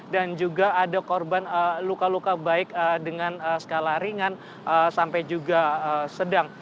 dan juga ada korban luka luka baik dengan skala ringan sampai juga sedang